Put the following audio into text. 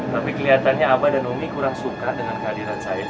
tapi kelihatannya abah dan umi kurang suka dengan kehadiran sain